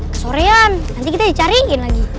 kesorean nanti kita dicariin lagi